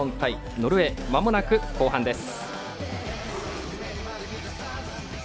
ノルウェーまもなく後半です。